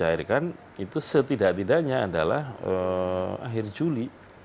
dilahirkan itu setidak tidaknya adalah akhir juli